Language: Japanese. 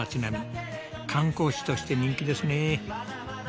観光地として人気ですね。